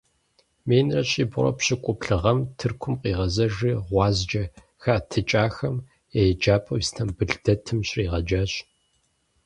Минрэ щибгъурэ пщыкӀуплӀ гъэм Тыркум къигъэзэжри гъуазджэ хэӀэтыкӀахэм я еджапӀэу Истамбыл дэтым щригъэджащ.